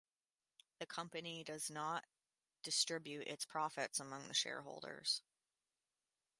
The company does not distribute its profits among the shareholders.